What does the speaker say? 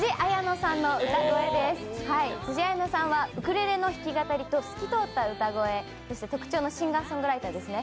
つじあやのさんはウクレレの弾き語りと透き通った歌声が特徴のシンガーソングライターですね。